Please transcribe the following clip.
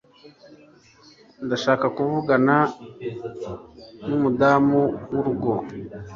Ndashaka kuvugana numudamu wurugo